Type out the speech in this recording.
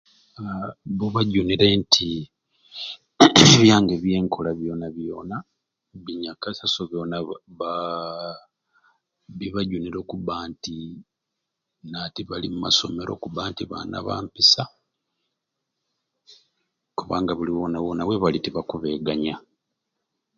Haa bubajunire nti ebyange byenkola byona byona binyakasai so bona baa bibajunire okuba nti nati bali mu masomero kuba nti baana ba mpisa kubanga buli yona yona webali tibakubeganya